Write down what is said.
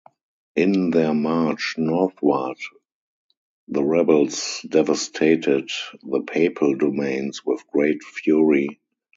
In their march northward, the rebels devastated the papal domains with great fury.